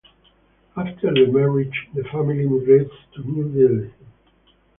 After the marriage, the family migrates to New Delhi.